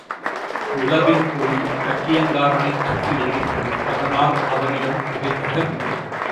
நிலவின் ஒளி கட்டியங்காரனைச் சுட்டு எரித்தது அதனால் அவனிடம் புகை கிளம்பியது.